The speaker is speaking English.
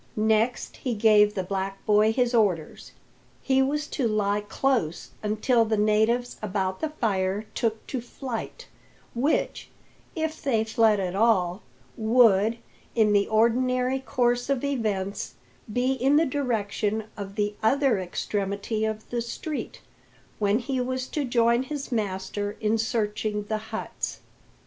Next he gave the black boy his orders. He was to lie close until the natives about the fire took to flight which, if they fled at all, would, in the ordinary course of events, be in the direction of the other extremity of the street when he was to join his master in searching the huts.